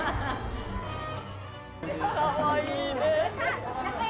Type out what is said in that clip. かわいいね。